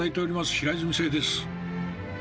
平泉成です。